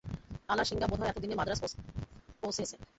আলাসিঙ্গা বোধ হয় এতদিনে মান্দ্রাজ পঁহুছিয়াছে।